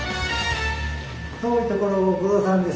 遠いところをご苦労さんです。